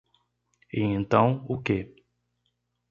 E então, o que?